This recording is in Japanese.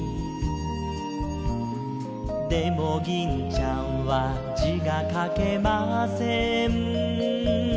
「でも銀ちゃんは字が書けません」